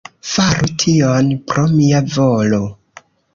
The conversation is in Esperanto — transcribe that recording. Faru tion pro mia volo.